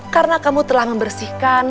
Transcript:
karena kamu telah membersihkan